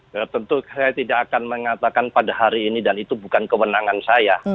ya tentu saya tidak akan mengatakan pada hari ini dan itu bukan kewenangan saya